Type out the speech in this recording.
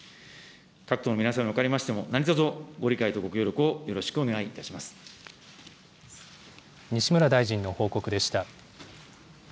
各党の皆様におかれましても、何とぞご理解とご協力をよろしくお西村大臣の報告でした。